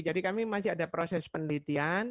jadi kami masih ada proses penelitian